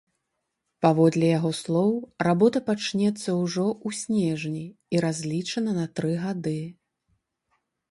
Паводле яго слоў, работа пачнецца ўжо ў снежні і разлічана на тры гады.